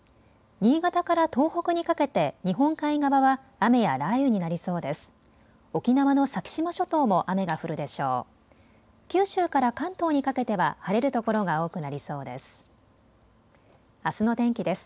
新潟から東北にかけて日本海側は雨や雷雨になりそうです。